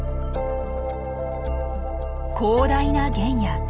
広大な原野。